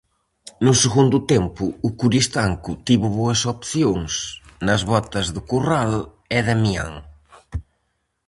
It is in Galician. No segundo tempo o Coristanco tivo boas opcións nas botas de Corral e Damián.